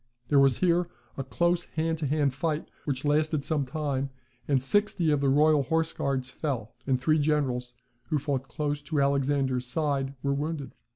There was here a close hand to hand fight, which lasted some time, and sixty of the royal horse guards fell, and three generals, who fought close to Alexander's side, were wounded.